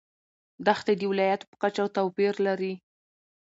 دښتې د ولایاتو په کچه توپیر لري.